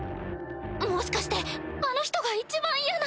もしかしてあの人がいちばん嫌な。